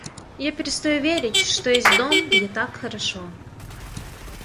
Я перестаю верить, что есть дом, где так хорошо.